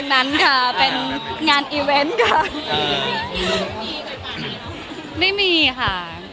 คุณผู้ชายเขาก็แซวว่าเออทางทุกข่าวก็ได้เลยนะ